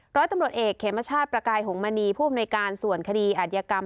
ร้อยตำรวจเอกเขมชาติประกายหงมณีผู้อำนวยการส่วนคดีอาจยกรรม